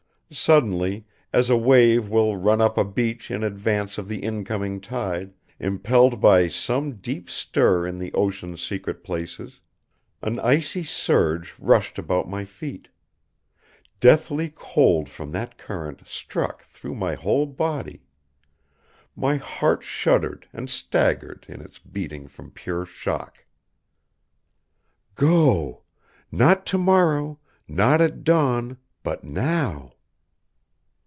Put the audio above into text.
Suddenly, as a wave will run up a beach in advance of the incoming tide, impelled by some deep stir in the ocean's secret places, an icy surge rushed about my feet. Deathly cold from that current struck through my whole body. My heart shuddered and staggered in its beating from pure shock. "_Go! Not tomorrow, not at dawn, but now!